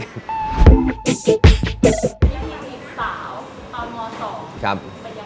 ยังมีอีกสาวตอนม๒เป็นยังไงครับ